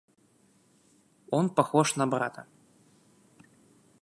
Он похож на брата.